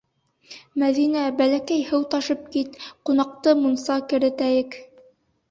Мәҙинә, бәләкәй һыу ташып кит, ҡунаҡты мунса керетәйек...